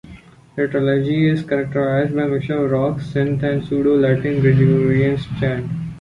The trilogy is characterized by a mixture of rock, synth, and pseudo-Latin Gregorian chant.